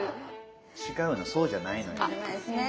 違うのそうじゃないのよ。